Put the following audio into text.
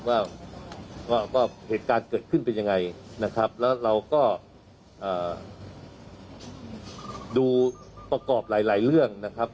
ว่าเหตุการณ์เกิดขึ้นเป็นยังไงนะครับแล้วเราก็ดูประกอบหลายเรื่องนะครับ